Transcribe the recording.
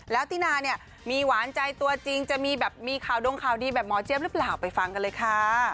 แล้วตินาเนี่ยมีหวานใจตัวจริงจะมีแบบมีข่าวดงข่าวดีแบบหมอเจี๊ยบหรือเปล่าไปฟังกันเลยค่ะ